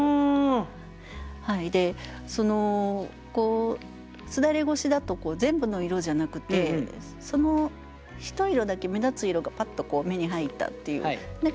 その簾越しだと全部の色じゃなくてそのひと色だけ目立つ色がパッと目に入ったっていう。